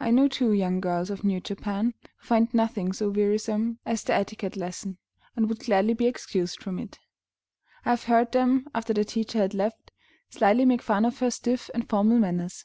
I know two young girls of new Japan who find nothing so wearisome as their etiquette lesson, and would gladly be excused from it. I have heard them, after their teacher had left, slyly make fun of her stiff and formal manners.